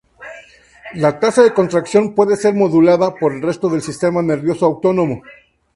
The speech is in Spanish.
La tasa de contracción puede ser modulada, por el resto del sistema nervioso autónomo.